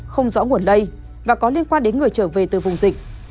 không rõ nguồn lây và có liên quan đến người trở về từ vùng dịch